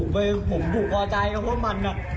ผมผูกคอตายกับพวกมัน